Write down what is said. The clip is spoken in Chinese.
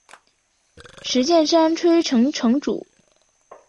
石见山吹城城主。